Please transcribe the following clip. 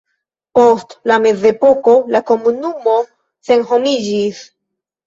Post la mezepoko la komunumo senhomiĝis.